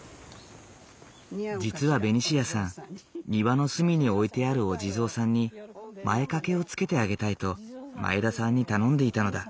実はベニシアさん庭の隅に置いてあるお地蔵さんに前掛けをつけてあげたいと前田さんに頼んでいたのだ。